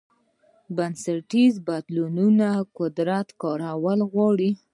بنسټیز بدلون د قدرت کارول غواړي.